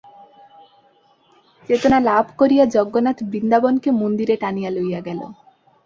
চেতনা লাভ করিয়া যজ্ঞনাথ বৃন্দাবনকে মন্দিরে টানিয়া লইয়া গেল।